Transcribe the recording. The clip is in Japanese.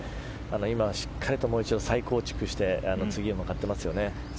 今、しっかりともう一度、再構築して次へ向かってますよね。